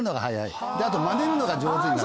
あとまねるのが上手になる。